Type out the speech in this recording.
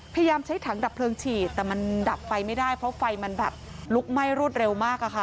พยายามใช้ถังดับเพลิงฉีดแต่มันดับไฟไม่ได้เพราะไฟมันแบบลุกไหม้รวดเร็วมากอะค่ะ